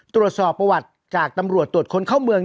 ตรวจสอบประวัติจากตำรวจตรวจคนเข้าเมือง